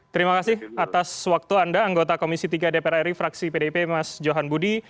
terima kasih atas waktu anda anggota komisi tiga dpr ri fraksi pdip mas johan budi